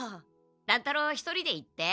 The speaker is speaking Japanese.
乱太郎一人で行って。